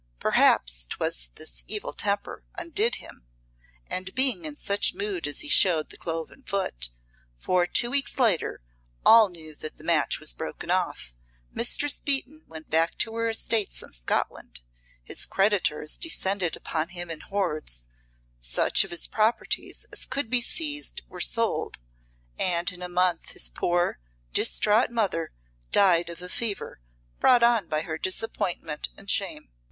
Perhaps 'twas this temper undid him, and being in such mood he showed the cloven foot, for two weeks later all knew the match was broken off, Mistress Beaton went back to her estates in Scotland, his creditors descended upon him in hordes, such of his properties as could be seized were sold, and in a month his poor, distraught mother died of a fever brought on by her disappointment and shame.